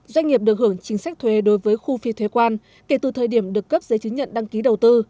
doanh nghiệp được hưởng chính sách thuế đối với khu phi thuế quan kể từ thời điểm được cấp giấy chứng nhận đăng ký đầu tư